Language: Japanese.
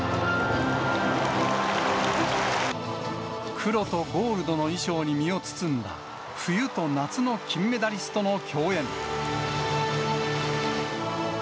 黒とゴールドの衣装に身を包んだ、冬と夏の金メダリストの共演。